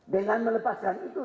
dengan melepaskan itu